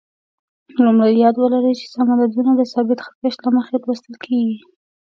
لومړی: یاد ولرئ چې سم عددونه د ثابت خط کش له مخې لوستل کېږي.